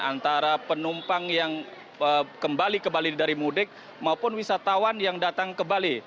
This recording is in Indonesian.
antara penumpang yang kembali ke bali dari mudik maupun wisatawan yang datang ke bali